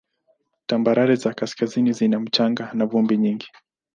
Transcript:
Tambarare za kaskazini zina mchanga na vumbi nyingi.